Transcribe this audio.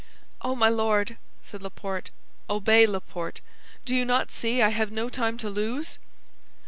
"Oh, my Lord!" said Laporte. "Obey, Laporte, do you not see I have no time to lose?"